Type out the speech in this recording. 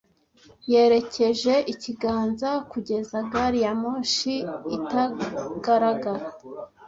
Yerekeje ikiganza kugeza gari ya moshi itagaragara.